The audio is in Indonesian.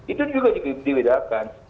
itu juga dibedakan